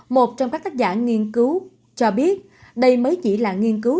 một trong các tác giả nghiên cứu cho biết đây mới chỉ là nghiên cứu